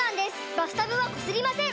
バスタブはこすりません！